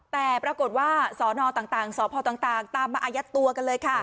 แต่ปรากฏว่าสนต่างสพต่างตามมาอายัดตัวกันเลยค่ะ